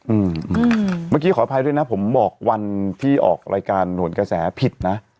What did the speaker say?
อืมเมื่อกี้ขออภัยด้วยนะผมบอกวันที่ออกรายการหนวนกระแสผิดนะ